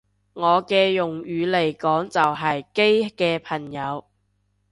我嘅用語嚟講就係基嘅朋友